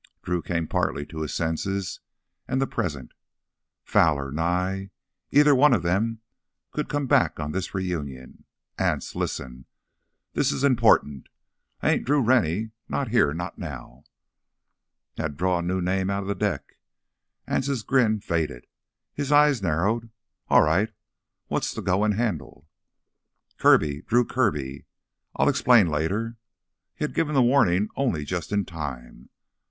Drew came partly to his senses and the present. Fowler ... Nye ... either one of them could come back on this reunion. "Anse—listen! This is important. I ain't Drew Rennie—not here, not now—" "Had to draw a new name outta th' deck?" Anse's grin faded; his eyes narrowed. "All right, what's the goin' handle?" "Kirby, Drew Kirby ... I'll explain later." He had given the warning only just in time.